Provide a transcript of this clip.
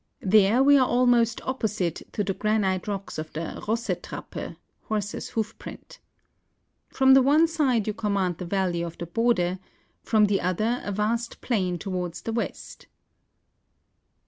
There we are almost opposite to the granite rocks of the Eossetrappe (Horse's Hoof print). From the one side you command the valley of the Bode; from the other a vast plain towards the west.